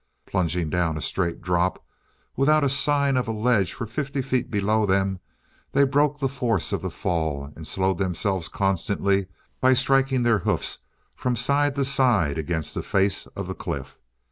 Plunging down a straight drop without a sign of a ledge for fifty feet below them, they broke the force of the fall and slowed themselves constantly by striking their hoofs from side to side against the face of the cliff.